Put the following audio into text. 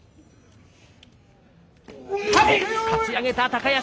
かち上げた、高安。